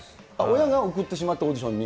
親が送ってしまったオーディションに？